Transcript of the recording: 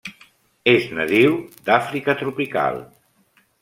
És natiu d'Àfrica tropical.